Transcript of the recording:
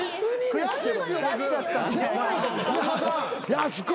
「やす子！」